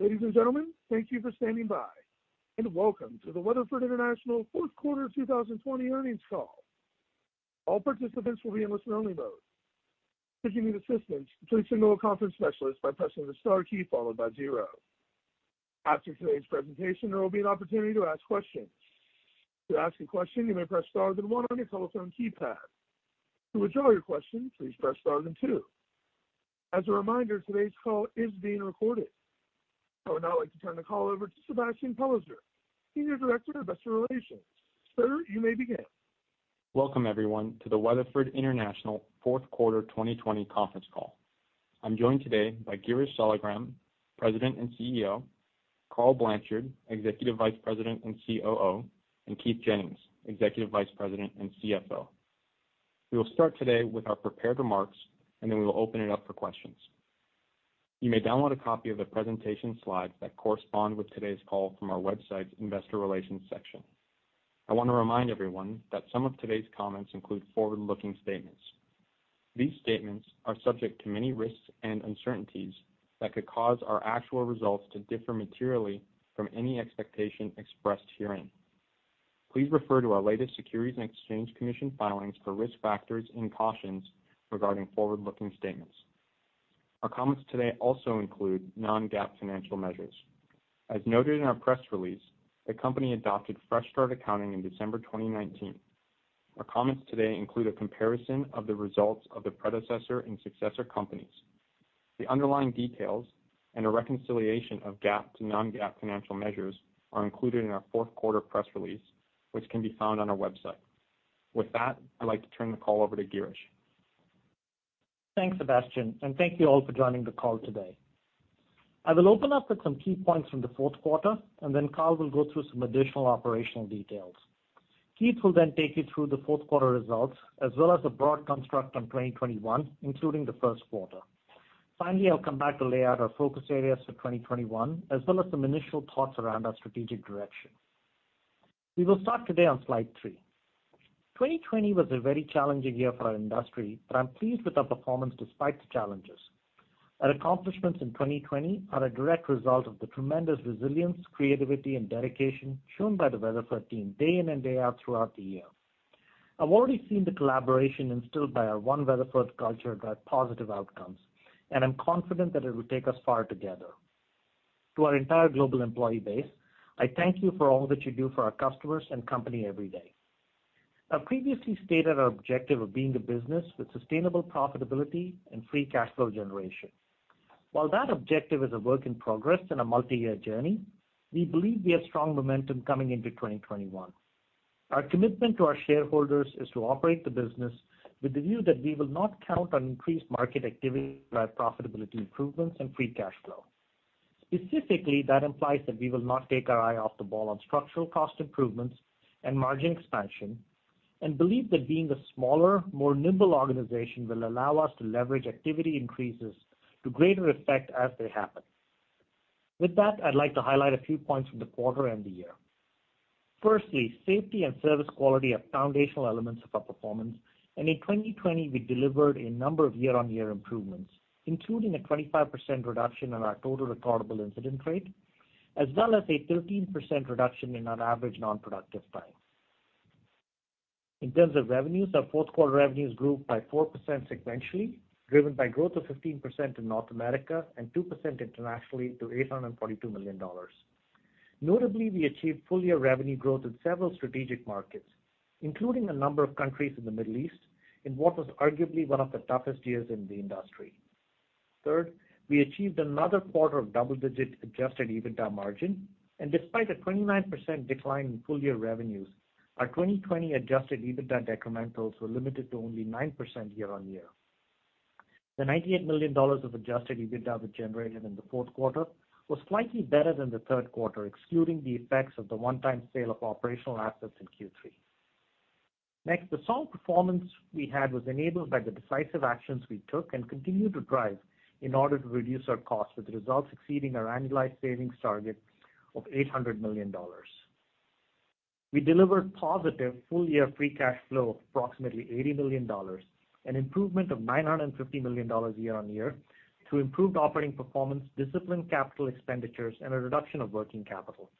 Ladies and gentlemen, thank you for standing by, and welcome to the Weatherford International fourth quarter 2020 earnings call. All participants will be in listen only mode. If you need assistance, please signal a conference specialist by pressing the star key followed by zero. After today's presentation, there will be an opportunity to ask questions. To ask a question, you may press star then one on your telephone keypad. To withdraw your question, please press star then two. As a reminder, today's call is being recorded. I would now like to turn the call over to Sebastian Pellizzer, Senior Director of Investor Relations. Sir, you may begin. Welcome everyone to the Weatherford International fourth quarter 2020 conference call. I'm joined today by Girish Saligram, President and CEO, Karl Blanchard, Executive Vice President and COO, and Keith Jennings, Executive Vice President and CFO. We will start today with our prepared remarks. Then we will open it up for questions. You may download a copy of the presentation slides that correspond with today's call from our website's investor relations section. I want to remind everyone that some of today's comments include forward-looking statements. These statements are subject to many risks and uncertainties that could cause our actual results to differ materially from any expectation expressed herein. Please refer to our latest Securities and Exchange Commission filings for risk factors and cautions regarding forward-looking statements. Our comments today also include non-GAAP financial measures. As noted in our press release, the company adopted Fresh Start Accounting in December 2019. Our comments today include a comparison of the results of the predecessor and successor companies. The underlying details and a reconciliation of GAAP to non-GAAP financial measures are included in our fourth quarter press release, which can be found on our website. With that, I'd like to turn the call over to Girish. Thanks, Sebastian. Thank you all for joining the call today. I will open up with some key points from the fourth quarter. Then Karl will go through some additional operational details. Keith will take you through the fourth quarter results, as well as a broad construct on 2021, including the first quarter. Finally, I'll come back to lay out our focus areas for 2021, as well as some initial thoughts around our strategic direction. We will start today on slide three. 2020 was a very challenging year for our industry. I'm pleased with our performance despite the challenges. Our accomplishments in 2020 are a direct result of the tremendous resilience, creativity, and dedication shown by the Weatherford team day in and day out throughout the year. I've already seen the collaboration instilled by our One Weatherford culture drive positive outcomes, and I'm confident that it will take us far together. To our entire global employee base, I thank you for all that you do for our customers and company every day. I've previously stated our objective of being a business with sustainable profitability and free cash flow generation. While that objective is a work in progress and a multi-year journey, we believe we have strong momentum coming into 2021. Our commitment to our shareholders is to operate the business with the view that we will not count on increased market activity, profitability improvements, and free cash flow. Specifically, that implies that we will not take our eye off the ball on structural cost improvements and margin expansion and believe that being a smaller, more nimble organization will allow us to leverage activity increases to greater effect as they happen. With that, I'd like to highlight a few points from the quarter and the year. Firstly, safety and service quality are foundational elements of our performance, and in 2020, we delivered a number of year-on-year improvements, including a 25% reduction in our total recordable incident rate, as well as a 13% reduction in our average non-productive time. In terms of revenues, our fourth quarter revenues grew by 4% sequentially, driven by growth of 15% in North America and 2% internationally to $842 million. Notably, we achieved full-year revenue growth in several strategic markets, including a number of countries in the Middle East, in what was arguably one of the toughest years in the industry. Third, we achieved another quarter of double-digit adjusted EBITDA margin, and despite a 29% decline in full-year revenues, our 2020 adjusted EBITDA decrementals were limited to only 9% year-on-year. The $98 million of adjusted EBITDA generated in the fourth quarter was slightly better than the third quarter, excluding the effects of the one-time sale of operational assets in Q3. The solid performance we had was enabled by the decisive actions we took and continue to drive in order to reduce our costs, with the results exceeding our annualized savings target of $800 million. We delivered positive full-year free cash flow of approximately $80 million, an improvement of $950 million year-on-year through improved operating performance, disciplined capital expenditures, and a reduction of working capital.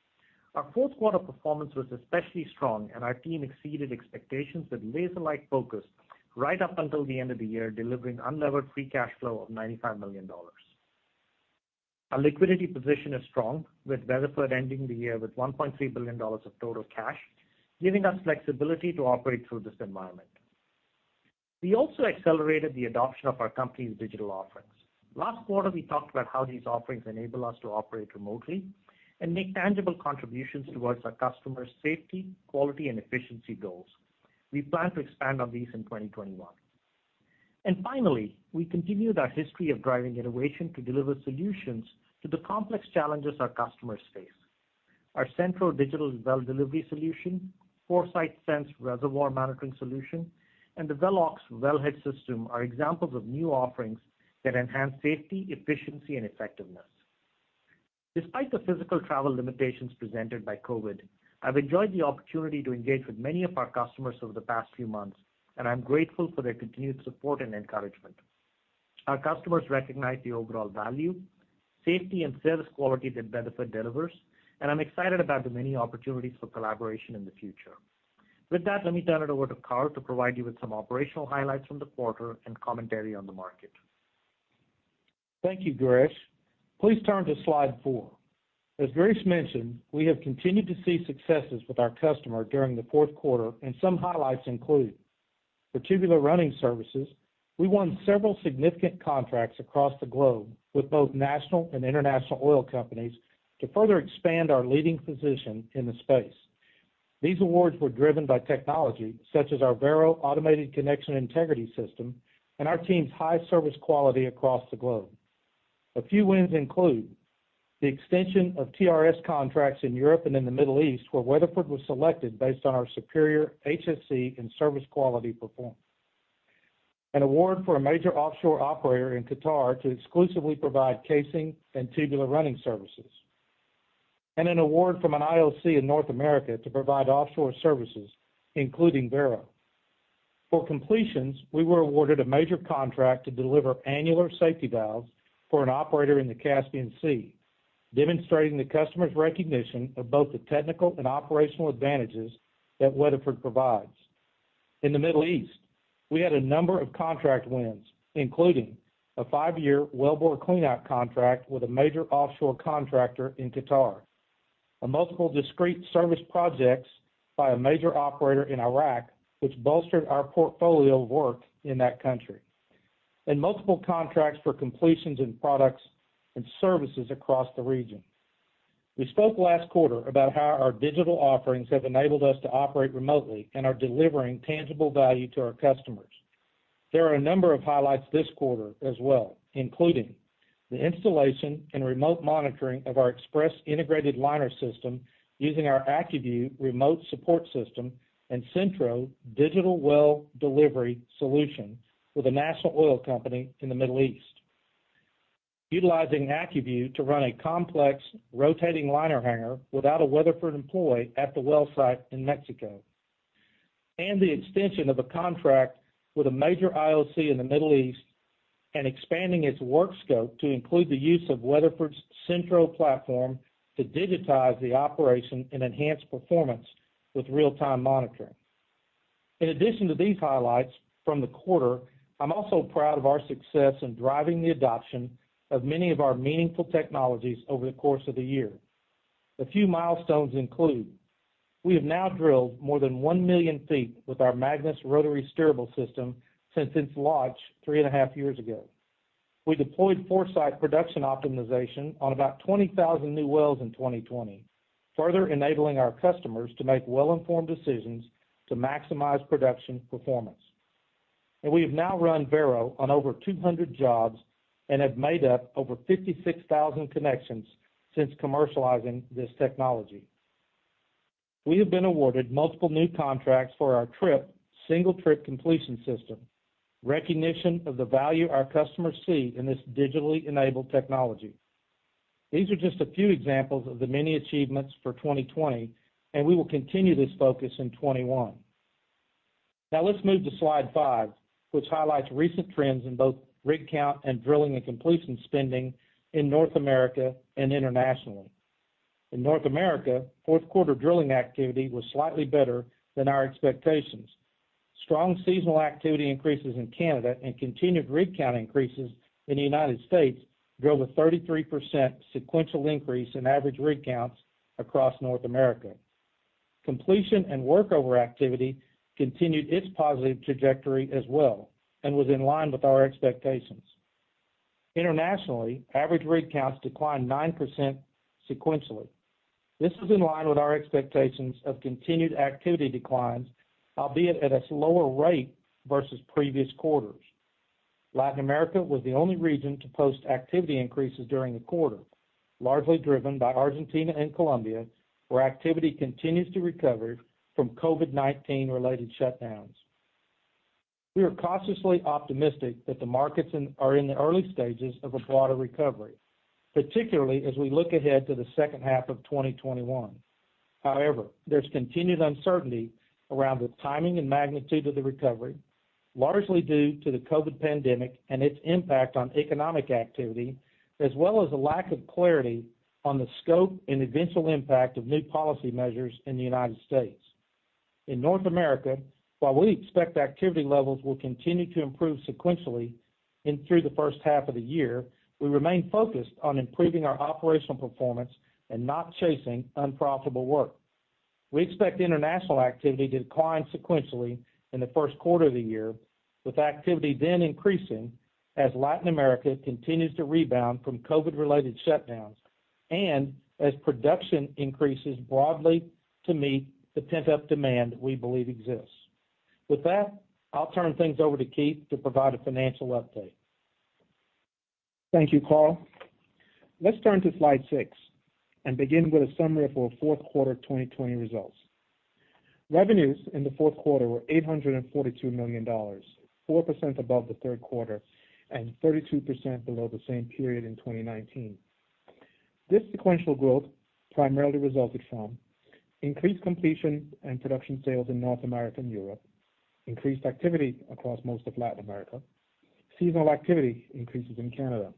Our fourth quarter performance was especially strong, and our team exceeded expectations with laser-like focus right up until the end of the year, delivering unlevered free cash flow of $95 million. Our liquidity position is strong, with Weatherford ending the year with $1.3 billion of total cash, giving us flexibility to operate through this environment. We also accelerated the adoption of our company's digital offerings. Last quarter, we talked about how these offerings enable us to operate remotely and make tangible contributions towards our customers' safety, quality, and efficiency goals. We plan to expand on these in 2021. Finally, we continued our history of driving innovation to deliver solutions to the complex challenges our customers face. Our Centro digital well delivery solution, ForeSite Sense reservoir monitoring solution, and the Velox wellhead system are examples of new offerings that enhance safety, efficiency, and effectiveness. Despite the physical travel limitations presented by COVID, I've enjoyed the opportunity to engage with many of our customers over the past few months, and I'm grateful for their continued support and encouragement. Our customers recognize the overall value, safety, and service quality that Weatherford delivers, and I'm excited about the many opportunities for collaboration in the future. With that, let me turn it over to Karl to provide you with some operational highlights from the quarter and commentary on the market. Thank you, Girish. Please turn to slide four. As Girish mentioned, we have continued to see successes with our customer during the fourth quarter. Some highlights include, for Tubular Running Services, we won several significant contracts across the globe with both national and international oil companies to further expand our leading position in the space. These awards were driven by technology such as our Vero automated connection integrity system and our team's high service quality across the globe. A few wins include the extension of TRS contracts in Europe and in the Middle East, where Weatherford was selected based on our superior HSE and service quality performance. An award for a major offshore operator in Qatar to exclusively provide casing and Tubular Running Services. An award from an IOC in North America to provide offshore services, including Vero. For completions, we were awarded a major contract to deliver annular safety valves for an operator in the Caspian Sea, demonstrating the customer's recognition of both the technical and operational advantages that Weatherford provides. In the Middle East, we had a number of contract wins, including a five-year wellbore cleanout contract with a major offshore contractor in Qatar. A multiple discrete service projects by a major operator in Iraq, which bolstered our portfolio of work in that country. Multiple contracts for completions in products and services across the region. We spoke last quarter about how our digital offerings have enabled us to operate remotely and are delivering tangible value to our customers. There are a number of highlights this quarter as well, including the installation and remote monitoring of our Xpress integrated liner system using our AccuView remote support system and Centro digital well delivery solution with a national oil company in the Middle East. Utilizing AccuView to run a complex rotating liner hanger without a Weatherford employee at the well site in Mexico. The extension of a contract with a major IOC in the Middle East and expanding its work scope to include the use of Weatherford's Centro platform to digitize the operation and enhance performance with real-time monitoring. In addition to these highlights from the quarter, I'm also proud of our success in driving the adoption of many of our meaningful technologies over the course of the year. A few milestones include, we have now drilled more than 1 million feet with our Magnus rotary steerable system since its launch 3.5 years ago. We deployed ForeSite production optimization on about 20,000 new wells in 2020, further enabling our customers to make well-informed decisions to maximize production performance. We have now run Vero on over 200 jobs and have made up over 56,000 connections since commercializing this technology. We have been awarded multiple new contracts for our TR1P, single-trip completion system, recognition of the value our customers see in this digitally enabled technology. These are just a few examples of the many achievements for 2020. We will continue this focus in 2021. Let's move to slide five, which highlights recent trends in both rig count and drilling and completion spending in North America and internationally. In North America, fourth quarter drilling activity was slightly better than our expectations. Strong seasonal activity increases in Canada and continued rig count increases in the U.S. drove a 33% sequential increase in average rig counts across North America. Completion and workover activity continued its positive trajectory as well and was in line with our expectations. Internationally, average rig counts declined 9% sequentially. This is in line with our expectations of continued activity declines, albeit at a slower rate versus previous quarters. Latin America was the only region to post activity increases during the quarter, largely driven by Argentina and Colombia, where activity continues to recover from COVID-19 related shutdowns. We are cautiously optimistic that the markets are in the early stages of a broader recovery, particularly as we look ahead to the second half of 2021. There's continued uncertainty around the timing and magnitude of the recovery, largely due to the COVID-19 pandemic and its impact on economic activity, as well as a lack of clarity on the scope and eventual impact of new policy measures in the U.S. In North America, while we expect activity levels will continue to improve sequentially through the first half of the year, we remain focused on improving our operational performance and not chasing unprofitable work. We expect international activity to decline sequentially in the first quarter of the year, with activity then increasing as Latin America continues to rebound from COVID-19-related shutdowns and as production increases broadly to meet the pent-up demand we believe exists. With that, I'll turn things over to Keith to provide a financial update. Thank you, Karl. Let's turn to slide six and begin with a summary of our fourth quarter 2020 results. Revenues in the fourth quarter were $842 million, 4% above the third quarter and 32% below the same period in 2019. This sequential growth primarily resulted from increased Completion and Production sales in North America and Europe, increased activity across most of Latin America, seasonal activity increases in Canada.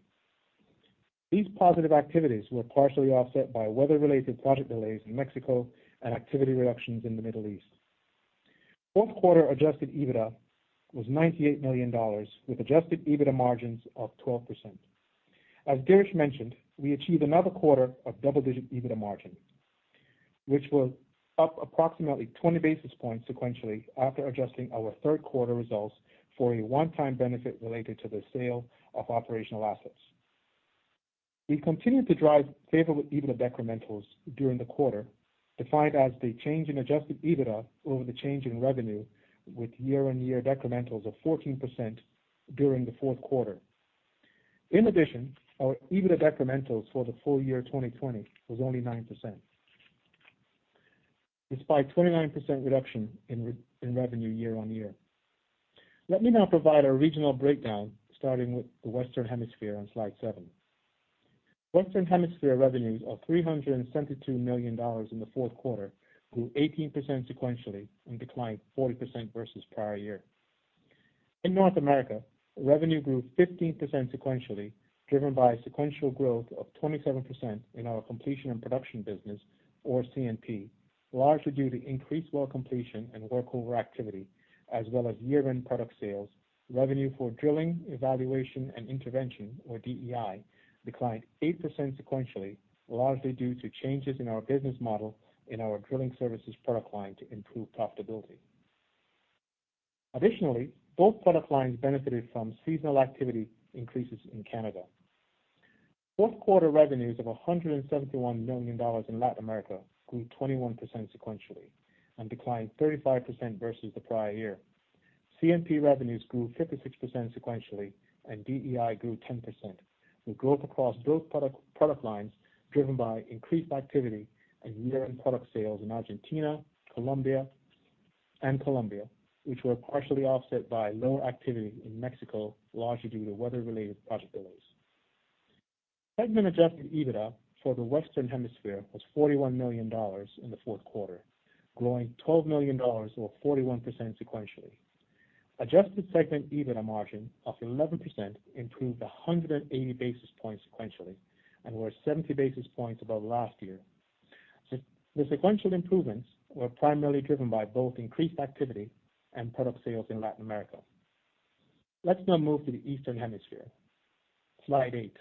These positive activities were partially offset by weather-related project delays in Mexico and activity reductions in the Middle East. Fourth quarter adjusted EBITDA was $98 million with adjusted EBITDA margins of 12%. As Girish mentioned, we achieved another quarter of double-digit EBITDA margins, which was up approximately 20 basis points sequentially after adjusting our third quarter results for a one-time benefit related to the sale of operational assets. We continued to drive favorable EBITDA decrementals during the quarter, defined as the change in adjusted EBITDA over the change in revenue with year-on-year decrementals of 14% during the fourth quarter. In addition, our EBITDA decrementals for the full year 2020 was only 9%. Despite 29% reduction in revenue year-on-year. Let me now provide a regional breakdown, starting with the Western Hemisphere on slide seven. Western Hemisphere revenues of $372 million in the fourth quarter grew 18% sequentially and declined 40% versus prior year. In North America, revenue grew 15% sequentially, driven by sequential growth of 27% in our Completion and Production business or C&P, largely due to increased well completion and workover activity, as well as year-end product sales. Revenue for Drilling, Evaluation, and Intervention or DEI declined 8% sequentially, largely due to changes in our business model in our drilling services product line to improve profitability. Additionally, both product lines benefited from seasonal activity increases in Canada. Fourth quarter revenues of $171 million in Latin America grew 21% sequentially and declined 35% versus the prior year. C&P revenues grew 56% sequentially and DEI grew 10%, with growth across both product lines driven by increased activity and year-end product sales in Argentina and Colombia, which were partially offset by lower activity in Mexico, largely due to weather-related project delays. Segment adjusted EBITDA for the Western Hemisphere was $41 million in the fourth quarter, growing $12 million or 41% sequentially. Adjusted segment EBITDA margin of 11% improved 180 basis points sequentially and were 70 basis points above last year. The sequential improvements were primarily driven by both increased activity and product sales in Latin America. Let's now move to the Eastern Hemisphere. Slide eight.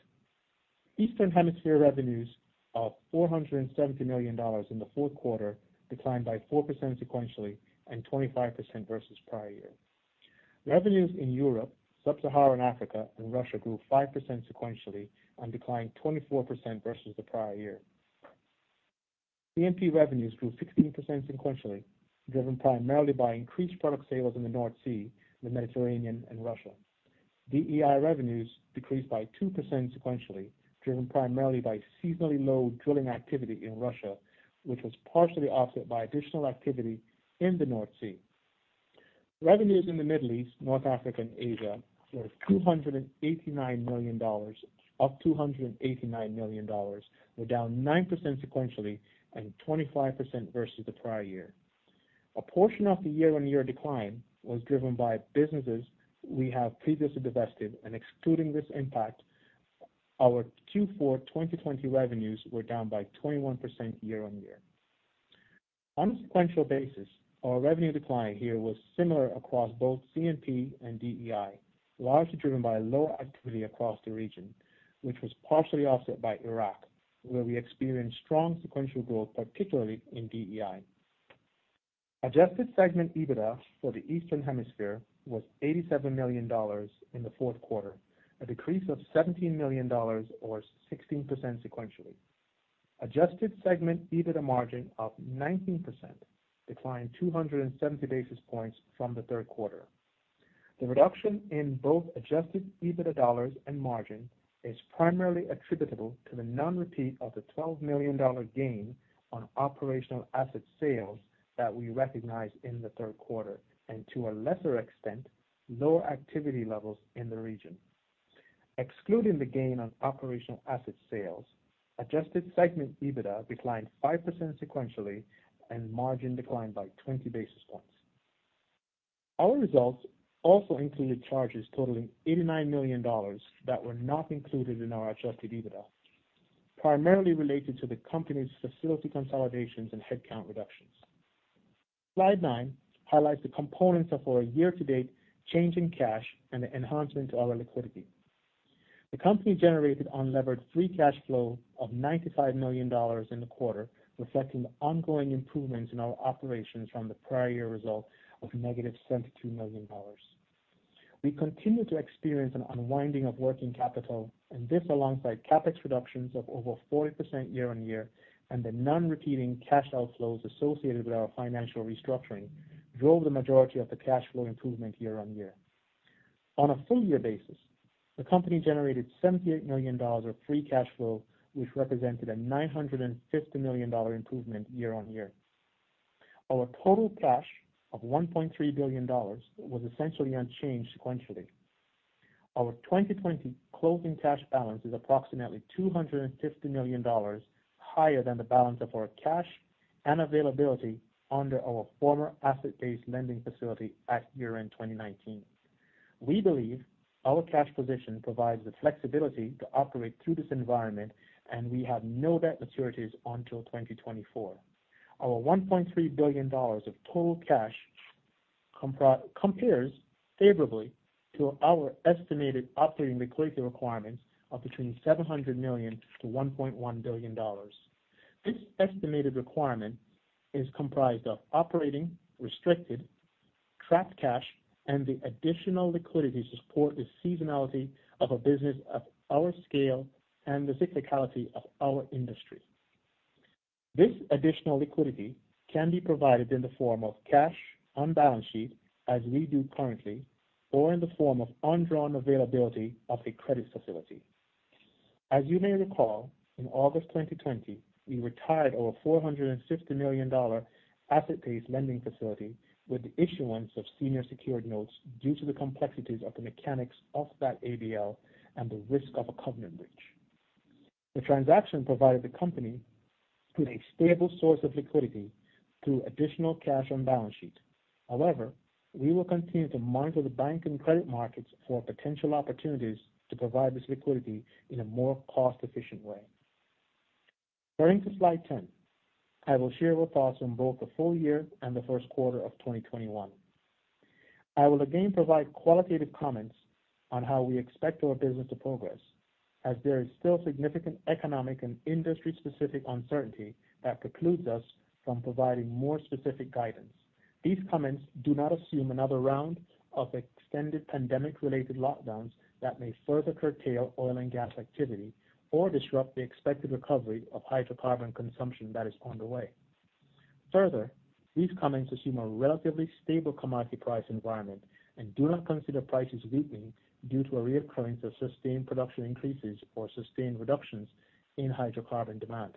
Eastern Hemisphere revenues of $470 million in the fourth quarter declined by 4% sequentially and 25% versus prior year. Revenues in Europe, Sub-Saharan Africa, and Russia grew 5% sequentially and declined 24% versus the prior year. C&P revenues grew 16% sequentially, driven primarily by increased product sales in the North Sea, the Mediterranean, and Russia. DEI revenues decreased by 2% sequentially, driven primarily by seasonally low drilling activity in Russia, which was partially offset by additional activity in the North Sea. Revenues in the Middle East, North Africa, and Asia were $289 million, down 9% sequentially and 25% versus the prior year. A portion of the year-on-year decline was driven by businesses we have previously divested and excluding this impact, our Q4 2020 revenues were down by 21% year-on-year. On a sequential basis, our revenue decline here was similar across both C&P and DEI, largely driven by low activity across the region, which was partially offset by Iraq, where we experienced strong sequential growth, particularly in DEI. Adjusted segment EBITDA for the Eastern Hemisphere was $87 million in the fourth quarter, a decrease of $17 million or 16% sequentially. Adjusted segment EBITDA margin of 19% declined 270 basis points from the third quarter. The reduction in both adjusted EBITDA dollars and margin is primarily attributable to the non-repeat of the $12 million gain on operational asset sales that we recognized in the third quarter and to a lesser extent, lower activity levels in the region. Excluding the gain on operational asset sales, adjusted segment EBITDA declined 5% sequentially and margin declined by 20 basis points. Our results also included charges totaling $89 million that were not included in our adjusted EBITDA, primarily related to the company's facility consolidations and headcount reductions. Slide nine highlights the components of our year-to-date change in cash and the enhancement to our liquidity. The company generated unlevered free cash flow of $95 million in the quarter, reflecting the ongoing improvements in our operations from the prior year result of negative $72 million. We continue to experience an unwinding of working capital, and this alongside CapEx reductions of over 40% year-on-year and the non-repeating cash outflows associated with our financial restructuring drove the majority of the cash flow improvement year-on-year. On a full year basis, the company generated $78 million of free cash flow, which represented a $950 million improvement year-on-year. Our total cash of $1.3 billion was essentially unchanged sequentially. Our 2020 closing cash balance is approximately $250 million higher than the balance of our cash and availability under our former asset-based lending facility at year-end 2019. We believe our cash position provides the flexibility to operate through this environment, and we have no debt maturities until 2024. Our $1.3 billion of total cash compares favorably to our estimated operating liquidity requirements of between $700 million to $1.1 billion. This estimated requirement is comprised of operating, restricted, trapped cash, and the additional liquidity to support the seasonality of a business of our scale and the cyclicality of our industry. This additional liquidity can be provided in the form of cash on balance sheet, as we do currently, or in the form of undrawn availability of a credit facility. As you may recall, in August 2020, we retired our $450 million asset-based lending facility with the issuance of senior secured notes due to the complexities of the mechanics of that ABL and the risk of a covenant breach. The transaction provided the company with a stable source of liquidity through additional cash on balance sheet. We will continue to monitor the bank and credit markets for potential opportunities to provide this liquidity in a more cost-efficient way. Turning to slide 10, I will share our thoughts on both the full year and the first quarter of 2021. I will again provide qualitative comments on how we expect our business to progress, as there is still significant economic and industry-specific uncertainty that precludes us from providing more specific guidance. These comments do not assume another round of extended pandemic-related lockdowns that may further curtail oil and gas activity or disrupt the expected recovery of hydrocarbon consumption that is underway. These comments assume a relatively stable commodity price environment and do not consider prices weakening due to a reoccurrence of sustained production increases or sustained reductions in hydrocarbon demand.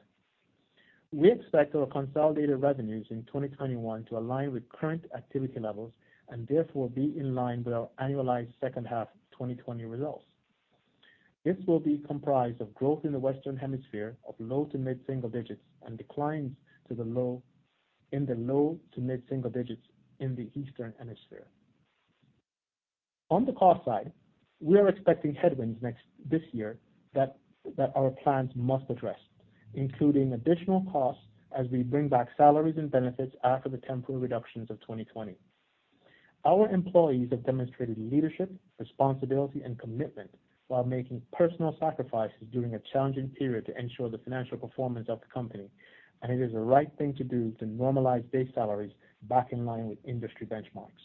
We expect our consolidated revenues in 2021 to align with current activity levels and therefore be in line with our annualized second half 2020 results. This will be comprised of growth in the Western Hemisphere of low to mid-single digits and declines in the low to mid-single digits in the Eastern Hemisphere. On the cost side, we are expecting headwinds this year that our plans must address, including additional costs as we bring back salaries and benefits after the temporary reductions of 2020. Our employees have demonstrated leadership, responsibility, and commitment while making personal sacrifices during a challenging period to ensure the financial performance of the company. It is the right thing to do to normalize base salaries back in line with industry benchmarks.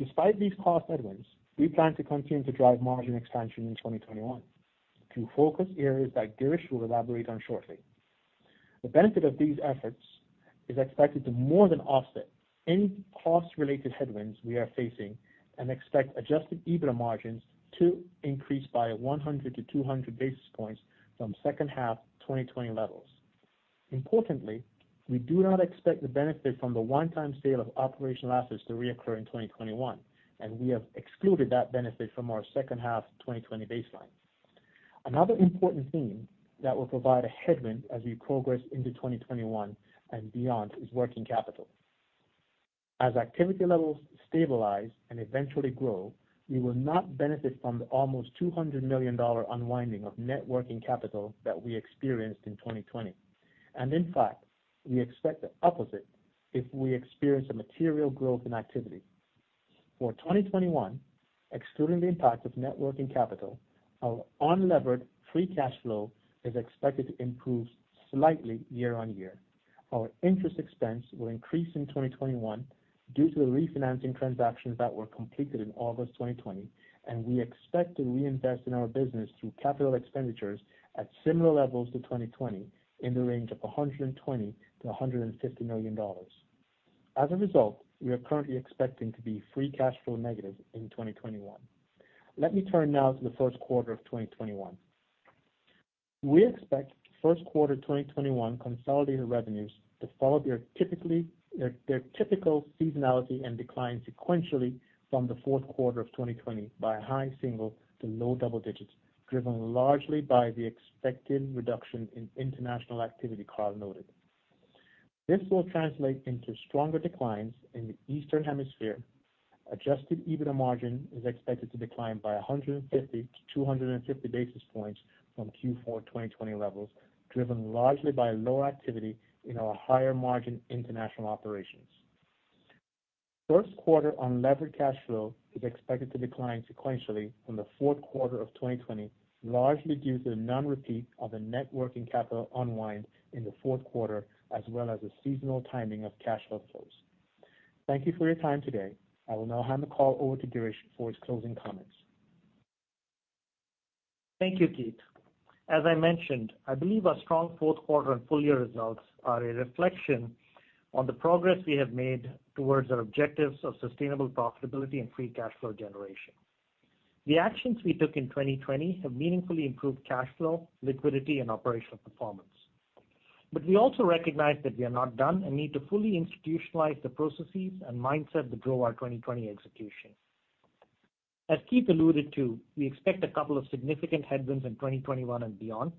Despite these cost headwinds, we plan to continue to drive margin expansion in 2021 through focus areas that Girish will elaborate on shortly. The benefit of these efforts is expected to more than offset any cost-related headwinds we are facing and expect adjusted EBITDA margins to increase by 100 to 200 basis points from second half 2020 levels. Importantly, we do not expect the benefit from the one-time sale of operational assets to reoccur in 2021. We have excluded that benefit from our second half 2020 baseline. Another important theme that will provide a headwind as we progress into 2021 and beyond is working capital. As activity levels stabilize and eventually grow, we will not benefit from the almost $200 million unwinding of net working capital that we experienced in 2020. In fact, we expect the opposite if we experience a material growth in activity. For 2021, excluding the impact of net working capital, our unlevered free cash flow is expected to improve slightly year-on-year. Our interest expense will increase in 2021 due to the refinancing transactions that were completed in August 2020. We expect to reinvest in our business through capital expenditures at similar levels to 2020 in the range of $120 million-$150 million. As a result, we are currently expecting to be free cash flow negative in 2021. Let me turn now to the first quarter of 2021. We expect first quarter 2021 consolidated revenues to follow their typical seasonality and decline sequentially from the fourth quarter of 2020 by high single to low double digits, driven largely by the expected reduction in international activity Karl noted. This will translate into stronger declines in the Eastern Hemisphere. Adjusted EBITDA margin is expected to decline by 150 to 250 basis points from Q4 2020 levels, driven largely by lower activity in our higher-margin international operations. First quarter unlevered cash flow is expected to decline sequentially from the fourth quarter of 2020, largely due to the non-repeat of the net working capital unwind in the fourth quarter, as well as the seasonal timing of cash outflows. Thank you for your time today. I will now hand the call over to Girish for his closing comments. Thank you, Keith. As I mentioned, I believe our strong fourth quarter and full-year results are a reflection on the progress we have made towards our objectives of sustainable profitability and free cash flow generation. The actions we took in 2020 have meaningfully improved cash flow, liquidity, and operational performance. We also recognize that we are not done and need to fully institutionalize the processes and mindset that drove our 2020 execution. As Keith alluded to, we expect a couple of significant headwinds in 2021 and beyond,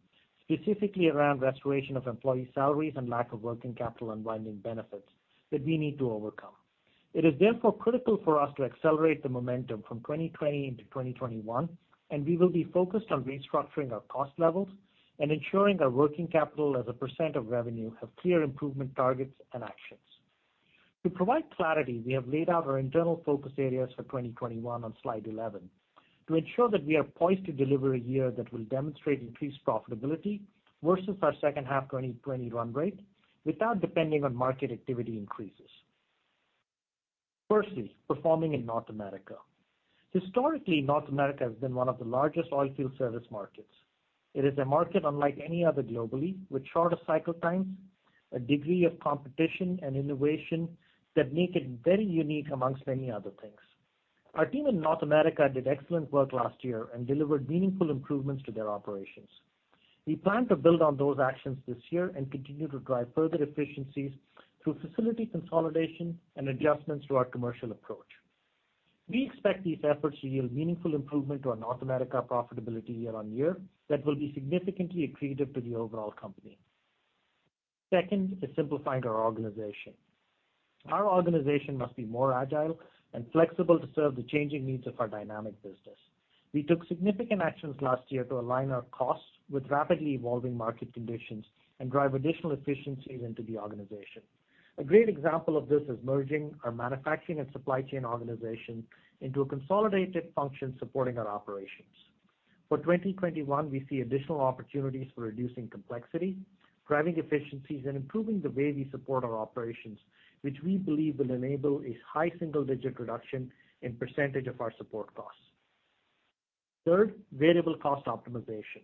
specifically around restoration of employee salaries and lack of working capital unwinding benefits that we need to overcome. It is therefore critical for us to accelerate the momentum from 2020 into 2021. We will be focused on restructuring our cost levels and ensuring our working capital as a % of revenue have clear improvement targets and actions. To provide clarity, we have laid out our internal focus areas for 2021 on slide 11 to ensure that we are poised to deliver a year that will demonstrate increased profitability versus our second half 2020 run rate without depending on market activity increases. Firstly, performing in North America. Historically, North America has been one of the largest oilfield service markets. It is a market unlike any other globally, with shorter cycle times, a degree of competition, and innovation that make it very unique amongst many other things. Our team in North America did excellent work last year and delivered meaningful improvements to their operations. We plan to build on those actions this year and continue to drive further efficiencies through facility consolidation and adjustments to our commercial approach. We expect these efforts to yield meaningful improvement to our North America profitability year-on-year that will be significantly accretive to the overall company. Simplifying our organization. Our organization must be more agile and flexible to serve the changing needs of our dynamic business. We took significant actions last year to align our costs with rapidly evolving market conditions and drive additional efficiencies into the organization. A great example of this is merging our manufacturing and supply chain organization into a consolidated function supporting our operations. For 2021, we see additional opportunities for reducing complexity, driving efficiencies, and improving the way we support our operations, which we believe will enable a high single-digit reduction in % of our support costs. Variable cost optimization.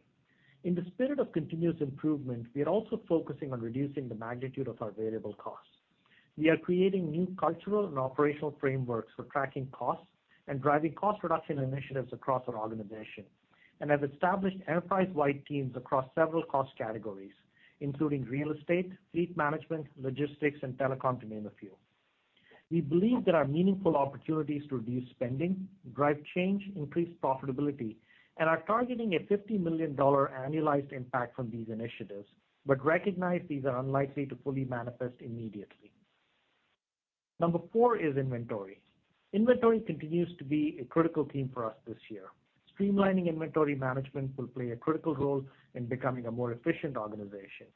In the spirit of continuous improvement, we are also focusing on reducing the magnitude of our variable costs. We are creating new cultural and operational frameworks for tracking costs and driving cost reduction initiatives across our organization and have established enterprise-wide teams across several cost categories, including real estate, fleet management, logistics, and telecom, to name a few. We believe there are meaningful opportunities to reduce spending, drive change, increase profitability, and are targeting a $50 million annualized impact from these initiatives. We recognize these are unlikely to fully manifest immediately. Inventory. Inventory continues to be a critical theme for us this year. Streamlining inventory management will play a critical role in becoming a more efficient organization.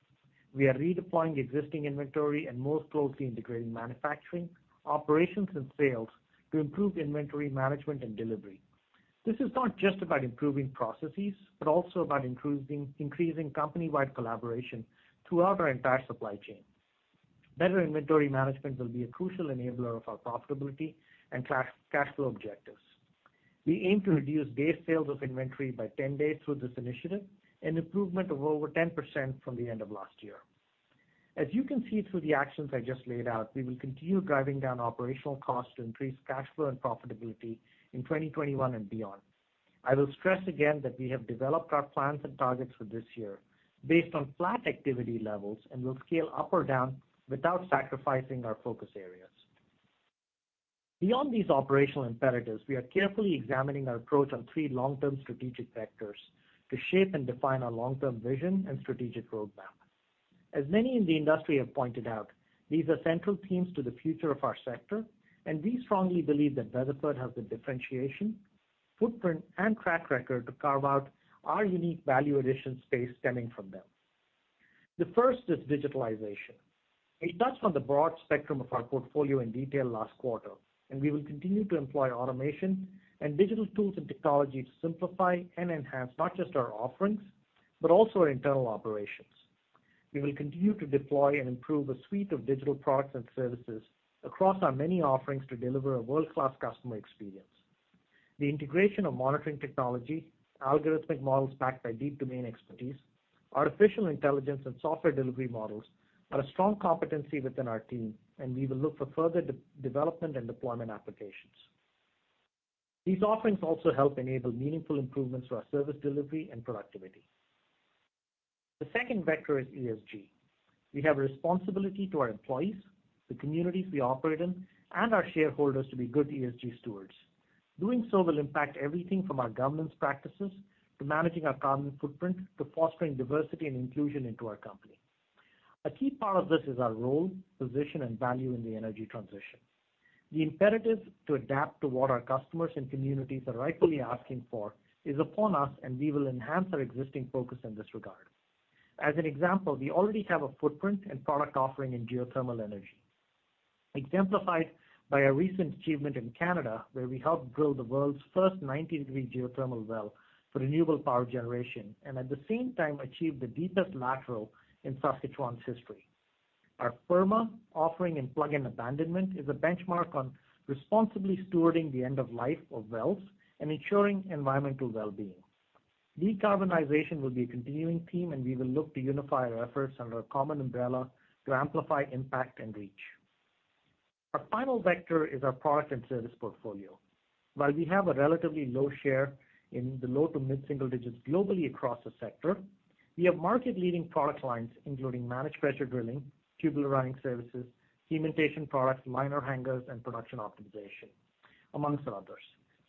We are redeploying existing inventory and more closely integrating manufacturing, operations, and sales to improve inventory management and delivery. This is not just about improving processes, but also about increasing company-wide collaboration throughout our entire supply chain. Better inventory management will be a crucial enabler of our profitability and cash flow objectives. We aim to reduce base sales of inventory by 10 days through this initiative, an improvement of over 10% from the end of last year. As you can see through the actions I just laid out, we will continue driving down operational costs to increase cash flow and profitability in 2021 and beyond. I will stress again that we have developed our plans and targets for this year based on flat activity levels and will scale up or down without sacrificing our focus areas. Beyond these operational imperatives, we are carefully examining our approach on three long-term strategic vectors to shape and define our long-term vision and strategic roadmap. As many in the industry have pointed out, these are central themes to the future of our sector. We strongly believe that Weatherford has the differentiation, footprint, and track record to carve out our unique value addition space stemming from them. The first is digitalization. We touched on the broad spectrum of our portfolio in detail last quarter. We will continue to employ automation and digital tools and technology to simplify and enhance not just our offerings, but also our internal operations. We will continue to deploy and improve a suite of digital products and services across our many offerings to deliver a world-class customer experience. The integration of monitoring technology, algorithmic models backed by deep domain expertise, artificial intelligence, software delivery models are a strong competency within our team. We will look for further development and deployment applications. These offerings also help enable meaningful improvements to our service delivery and productivity. The second vector is ESG. We have a responsibility to our employees, the communities we operate in, and our shareholders to be good ESG stewards. Doing so will impact everything from our governance practices to managing our carbon footprint to fostering diversity and inclusion into our company. A key part of this is our role, position, and value in the energy transition. The imperative to adapt to what our customers and communities are rightfully asking for is upon us. We will enhance our existing focus in this regard. As an example, we already have a footprint and product offering in geothermal energy, exemplified by a recent achievement in Canada, where we helped drill the world's first 90-degree geothermal well for renewable power generation. At the same time achieve the deepest lateral in Saskatchewan's history. Our Firma offering in Plug and Abandonment is a benchmark on responsibly stewarding the end of life of wells and ensuring environmental wellbeing. Decarbonization will be a continuing theme. We will look to unify our efforts under a common umbrella to amplify impact and reach. Our final vector is our product and service portfolio. While we have a relatively low share in the low to mid-single digits globally across the sector, we have market-leading product lines, including Managed Pressure Drilling, Tubular Running Services, cementation products, liner hangers, and Production Optimization, amongst others.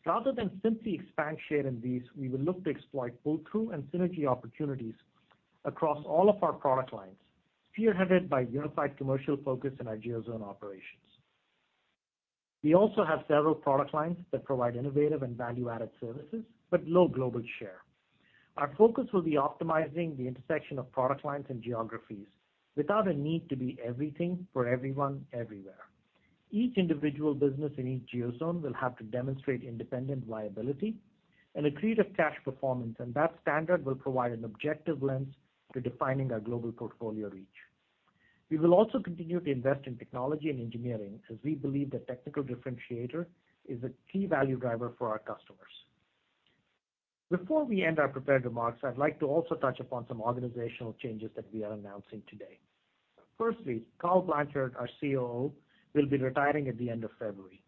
Rather than simply expand share in these, we will look to exploit pull-through and synergy opportunities across all of our product lines, spearheaded by unified commercial focus in our Geo-Zone operations. We also have several product lines that provide innovative and value-added services, but low global share. Our focus will be optimizing the intersection of product lines and geographies without a need to be everything for everyone, everywhere. Each individual business in each Geo-Zone will have to demonstrate independent viability and accretive cash performance, and that standard will provide an objective lens to defining our global portfolio reach. We will also continue to invest in technology and engineering, as we believe the technical differentiator is a key value driver for our customers. Before we end our prepared remarks, I'd like to also touch upon some organizational changes that we are announcing today. Firstly, Karl Blanchard, our COO, will be retiring at the end of February.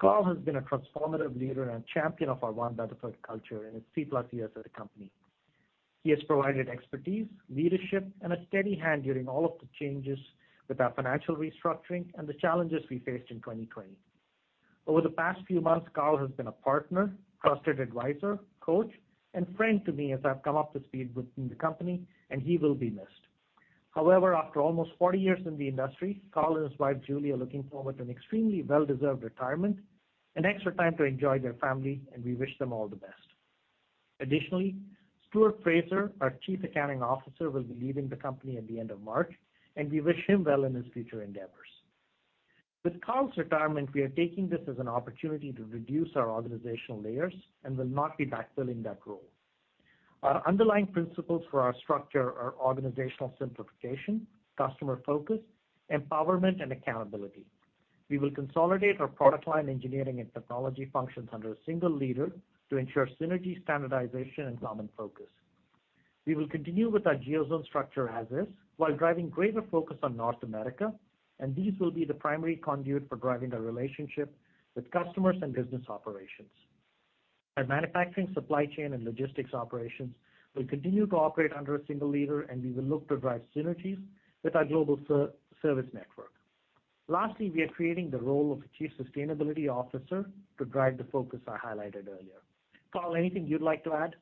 Karl has been a transformative leader and champion of our One Weatherford culture in his three-plus years at the company. He has provided expertise, leadership, and a steady hand during all of the changes with our financial restructuring and the challenges we faced in 2020. Over the past few months, Karl has been a partner, trusted advisor, coach, and friend to me as I've come up to speed within the company. He will be missed. After almost 40 years in the industry, Karl and his wife, Julie, are looking forward to an extremely well-deserved retirement and extra time to enjoy their family, and we wish them all the best. Stuart Fraser, our Chief Accounting Officer, will be leaving the company at the end of March, and we wish him well in his future endeavors. With Karl's retirement, we are taking this as an opportunity to reduce our organizational layers and will not be backfilling that role. Our underlying principles for our structure are organizational simplification, customer focus, empowerment, and accountability. We will consolidate our product line, engineering, and technology functions under a single leader to ensure synergy, standardization, and common focus. We will continue with our Geo-Zone structure as is while driving greater focus on North America. These will be the primary conduit for driving the relationship with customers and business operations. Our manufacturing, supply chain, and logistics operations will continue to operate under a single leader, and we will look to drive synergies with our global service network. Lastly, we are creating the role of a chief sustainability officer to drive the focus I highlighted earlier. Karl, anything you'd like to add?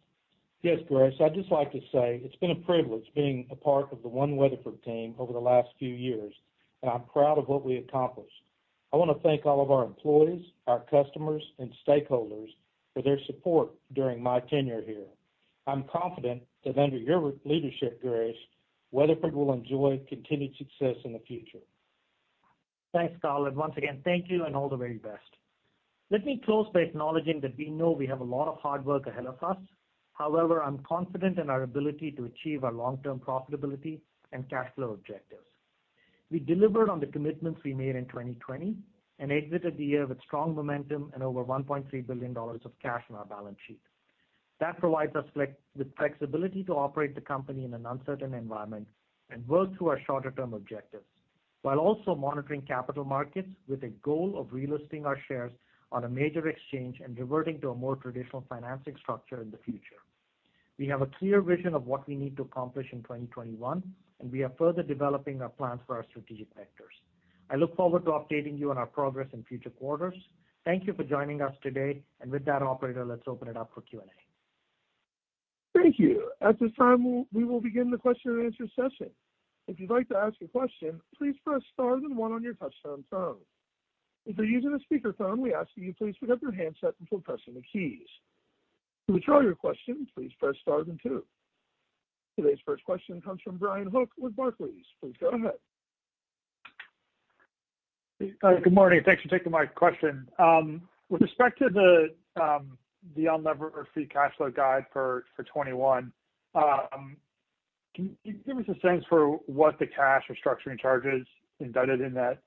Yes, Girish. I'd just like to say it's been a privilege being a part of the One Weatherford team over the last few years, and I'm proud of what we accomplished. I want to thank all of our employees, our customers, and stakeholders for their support during my tenure here. I'm confident that under your leadership, Girish, Weatherford will enjoy continued success in the future. Thanks, Karl, once again, thank you and all the very best. Let me close by acknowledging that we know we have a lot of hard work ahead of us. I'm confident in our ability to achieve our long-term profitability and cash flow objectives. We delivered on the commitments we made in 2020 and exited the year with strong momentum and over $1.3 billion of cash on our balance sheet. That provides us with flexibility to operate the company in an uncertain environment and work through our shorter-term objectives while also monitoring capital markets with a goal of relisting our shares on a major exchange and reverting to a more traditional financing structure in the future. We have a clear vision of what we need to accomplish in 2021, we are further developing our plans for our strategic vectors. I look forward to updating you on our progress in future quarters. Thank you for joining us today. With that, operator, let's open it up for Q&A. Thank you. At this time, we will begin the question-and-answer session. If you'd like to ask a question, please press star 1 on your touch-tone phone. If you're using a speakerphone, we ask that you please pick up your handset before pressing the keys. To withdraw your question, please press star 2. Today's first question comes from Brian Hook with Barclays. Please go ahead. Good morning. Thanks for taking my question. With respect to the unlevered free cash flow guide for 2021, can you give me a sense for what the cash restructuring charge is embedded in that?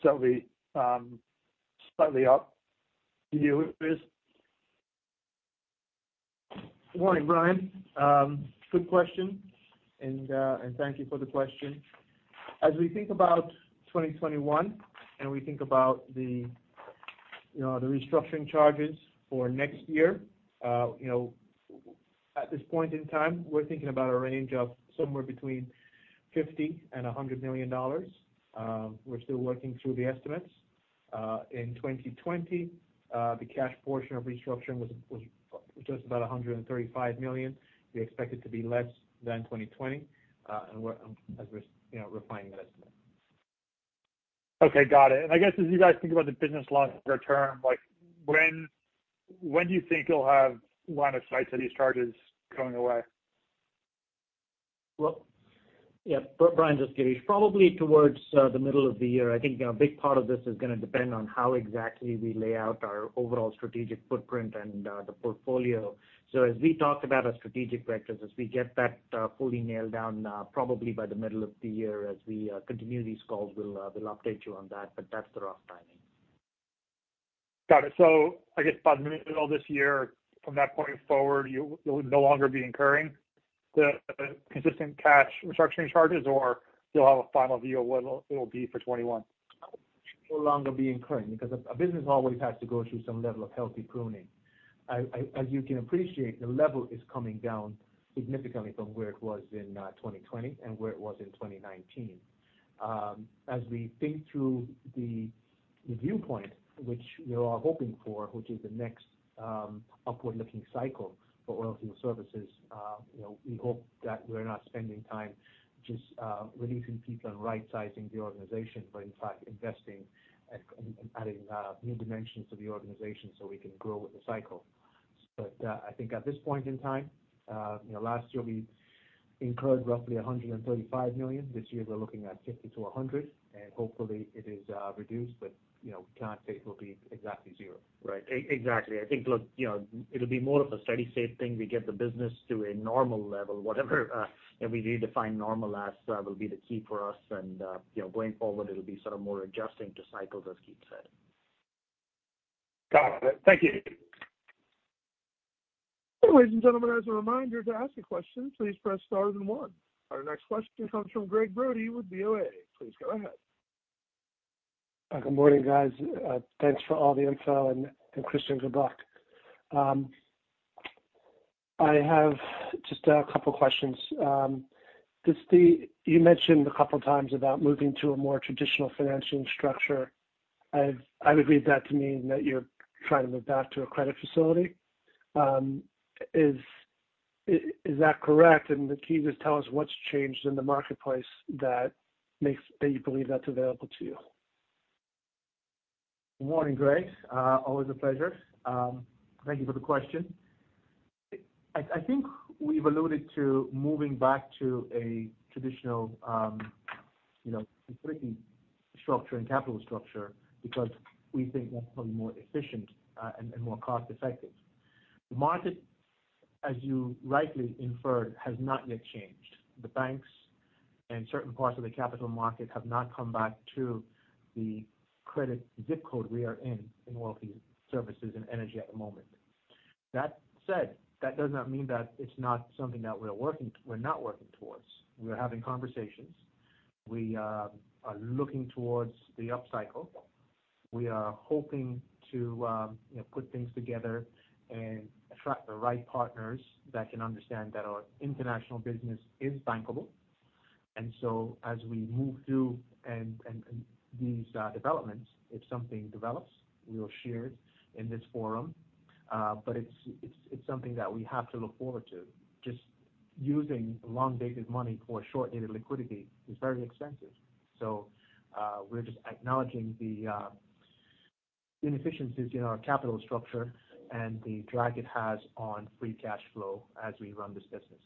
Slightly up year. Good morning, Brian. Good question. Thank you for the question. As we think about 2021, and we think about the restructuring charges for next year, at this point in time, we're thinking about a range of somewhere between $50 million-$100 million. We're still working through the estimates. In 2020, the cash portion of restructuring was just about $135 million. We expect it to be less than 2020 as we're refining the estimate. Okay, got it. I guess as you guys think about the business longer term, when do you think you'll have line of sight to these charges going away? Well, yeah, Brian, this is Girish. Probably towards the middle of the year. I think a big part of this is going to depend on how exactly we lay out our overall strategic footprint and the portfolio. As we talk about our strategic vectors, as we get that fully nailed down, probably by the middle of the year as we continue these calls, we'll update you on that, but that's the rough timing. Got it. I guess by the middle of this year, from that point forward, you will no longer be incurring the consistent cash restructuring charges or you'll have a final view of what it will be for 2021? No longer be incurring, because a business always has to go through some level of healthy pruning. As you can appreciate, the level is coming down significantly from where it was in 2020 and where it was in 2019. As we think through the viewpoint, which we are hoping for, which is the next upward-looking cycle for oil field services, we hope that we're not spending time just reducing people and rightsizing the organization, but in fact investing and adding new dimensions to the organization so we can grow with the cycle. I think at this point in time, last year we incurred roughly $135 million. This year, we're looking at $50 million-$100 million, and hopefully it is reduced, but we can't say it will be exactly zero. Right. Exactly. I think, look, it'll be more of a steady state thing to get the business to a normal level, whatever we define normal as will be the key for us. Going forward, it'll be sort of more adjusting to cycles, as Keith said. Got it. Thank you. Ladies and gentlemen, as a reminder, to ask a question, please press star then one. Our next question comes from Gregg Brody with BofA. Please go ahead. Good morning, guys. Thanks for all the info, and Karl, good luck. I have just a couple of questions. You mentioned a couple of times about moving to a more traditional financing structure. I would read that to mean that you're trying to move back to a credit facility. Is that correct? If you could just tell us what's changed in the marketplace that makes that you believe that's available to you. Good morning, Gregg. Always a pleasure. Thank you for the question. I think we've alluded to moving back to a traditional liquidity structure and capital structure because we think that's probably more efficient and more cost-effective. The market, as you rightly inferred, has not yet changed. The banks and certain parts of the capital market have not come back to the credit ZIP code we are in oilfield services and energy at the moment. That said, that does not mean that it's not something that we're not working towards. We are having conversations. We are looking towards the upcycle. We are hoping to put things together and attract the right partners that can understand that our international business is bankable. As we move through these developments, if something develops, we will share it in this forum. It's something that we have to look forward to. Just using long-dated money for short-dated liquidity is very expensive. We're just acknowledging the inefficiencies in our capital structure and the drag it has on free cash flow as we run this business.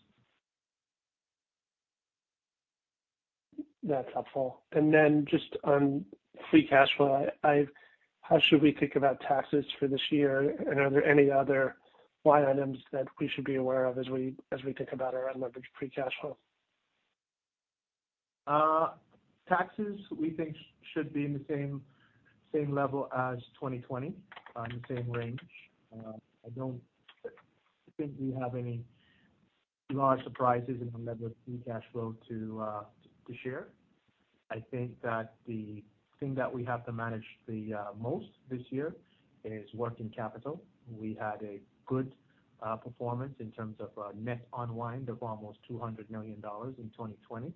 That's helpful. Just on free cash flow, how should we think about taxes for this year? Are there any other line items that we should be aware of as we think about our unlevered free cash flow? Taxes, we think should be in the same level as 2020, in the same range. I don't think we have any large surprises in unlevered free cash flow to share. I think that the thing that we have to manage the most this year is working capital. We had a good performance in terms of a net unwind of almost $200 million in 2020.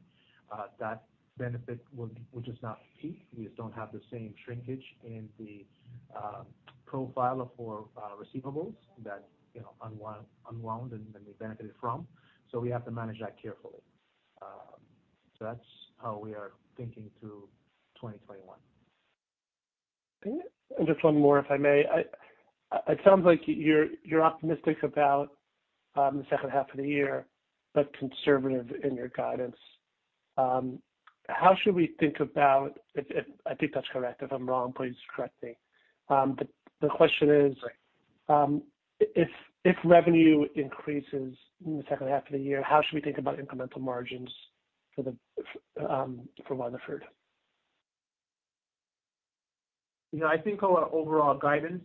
That benefit will just not peak. We just don't have the same shrinkage in the profile for receivables that unwound and we benefited from. We have to manage that carefully. That's how we are thinking through 2021. Just one more, if I may. It sounds like you're optimistic about the second half of the year, but conservative in your guidance. How should we think about-- If I think that's correct, if I'm wrong, please correct me. The question is- Right if revenue increases in the second half of the year, how should we think about incremental margins for Weatherford? I think our overall guidance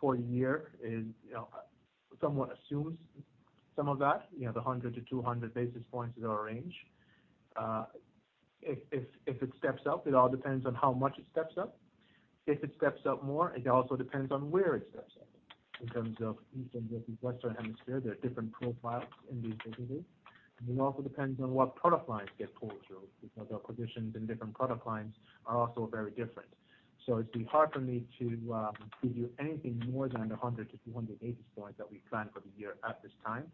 for the year somewhat assumes some of that, the 100 to 200 basis points is our range. If it steps up, it all depends on how much it steps up. If it steps up more, it also depends on where it steps up in terms of Eastern versus Western Hemisphere. There are different profiles in these businesses. It also depends on what product lines get pulled through because our positions in different product lines are also very different. It'd be hard for me to give you anything more than the 100 to 200 basis points that we planned for the year at this time.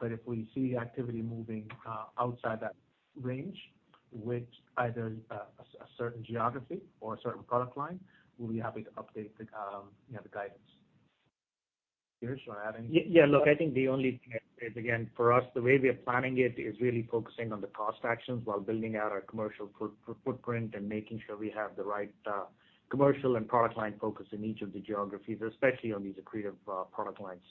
If we see activity moving outside that range with either a certain geography or a certain product line, we'll be happy to update the guidance. Girish, do you want to add anything? Yeah. Look, I think the only thing is, again, for us, the way we are planning it is really focusing on the cost actions while building out our commercial footprint and making sure we have the right commercial and product line focus in each of the geographies, especially on these accretive product lines.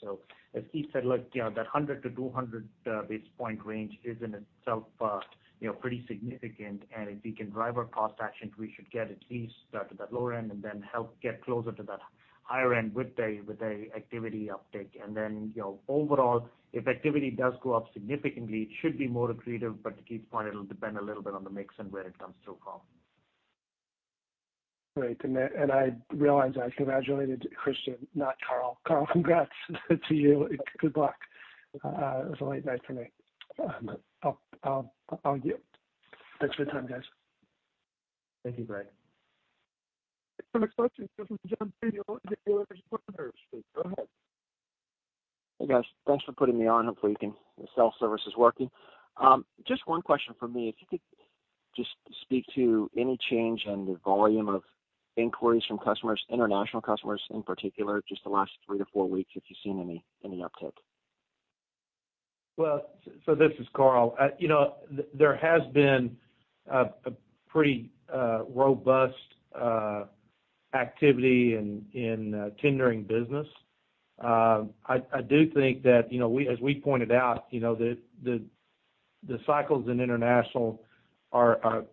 As Keith said, look, that 100-200 basis point range is in itself pretty significant. If we can drive our cost actions, we should get at least to that lower end and then help get closer to that higher end with the activity uptick. Overall, if activity does go up significantly, it should be more accretive. To Keith's point, it'll depend a little bit on the mix and where it comes through from. Great. I realize I congratulated Karl, not Karl. Karl, congrats to you. Good luck. It was a late night for me. I'll mute. Thanks for the time, guys. Thank you, Gregg. Our next question comes from the line of John Theriot with Wedbush Securities. Go ahead. Hey, guys. Thanks for putting me on. I'm hoping the cell service is working. Just one question from me. If you could just speak to any change in the volume of inquiries from customers, international customers in particular, just the last three to four weeks, if you've seen any uptick. Well, this is Karl. There has been a pretty robust activity in tendering business. I do think that, as we pointed out, the cycles in international are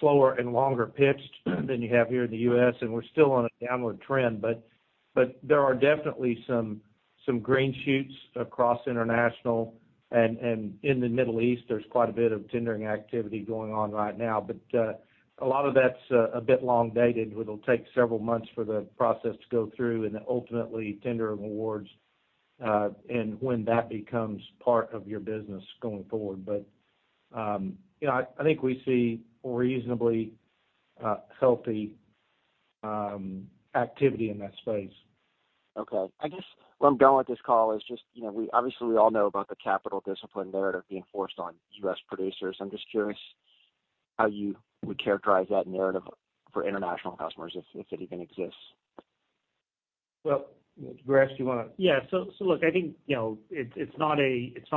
slower and longer pitched than you have here in the U.S., we're still on a downward trend. There are definitely some green shoots across international, and in the Middle East, there's quite a bit of tendering activity going on right now. A lot of that's a bit long dated. It'll take several months for the process to go through and then ultimately tender awards, and when that becomes part of your business going forward. I think we see reasonably healthy activity in that space. Okay. I guess where I'm going with this call is just obviously we all know about the capital discipline narrative being forced on U.S. producers. I'm just curious how you would characterize that narrative for international customers, if it even exists. Well, Girish, do you want to? Look, I think, it's not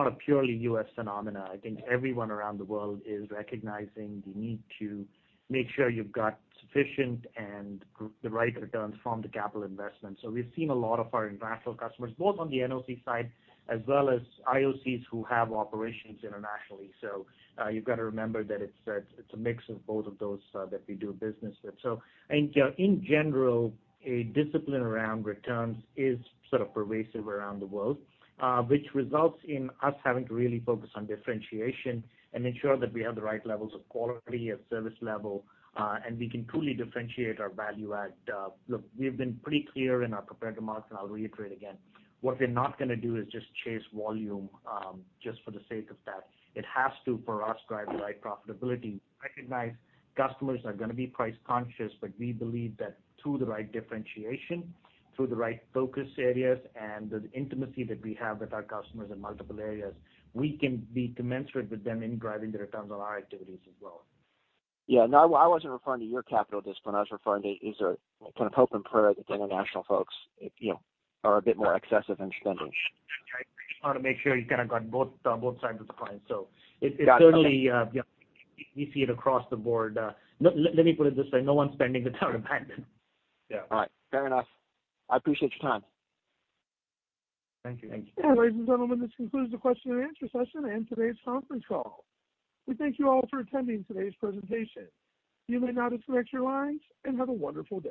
a purely U.S. phenomena. I think everyone around the world is recognizing the need to make sure you've got sufficient and the right returns from the capital investment. We've seen a lot of our international customers, both on the NOC side as well as IOCs who have operations internationally. You've got to remember that it's a mix of both of those that we do business with. I think in general, a discipline around returns is sort of pervasive around the world, which results in us having to really focus on differentiation and ensure that we have the right levels of quality, of service level, and we can truly differentiate our value add. Look, we've been pretty clear in our prepared remarks, and I'll reiterate again. What we're not going to do is just chase volume, just for the sake of that. It has to, for us, drive the right profitability. Recognize, customers are going to be price conscious, we believe that through the right differentiation, through the right focus areas and the intimacy that we have with our customers in multiple areas, we can be commensurate with them in driving the returns on our activities as well. Yeah. No, I wasn't referring to your capital discipline. I was referring to is there kind of hope and prayer that the international folks are a bit more excessive in spending? I just want to make sure you kind of got both sides of the coin. It certainly- Got it. Okay. We see it across the board. Let me put it this way. No one's spending the town abandoned. Yeah. All right. Fair enough. I appreciate your time. Thank you. Thank you. Ladies and gentlemen, this concludes the question and answer session and today's conference call. We thank you all for attending today's presentation. You may now disconnect your lines, and have a wonderful day.